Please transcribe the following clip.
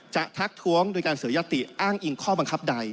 ทักท้วงโดยการเสียยติอ้างอิงข้อบังคับใด